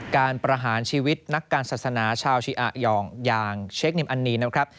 ประหารชีวิตนักการศาสนาชาวชิอายองอย่างเชคนิมอันนี้นะครับ